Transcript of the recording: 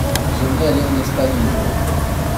J'aimerais aller en Espagne un jour.